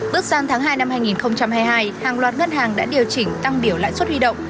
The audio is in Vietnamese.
bước sang tháng hai năm hai nghìn hai mươi hai hàng loạt ngân hàng đã điều chỉnh tăng biểu lãi suất huy động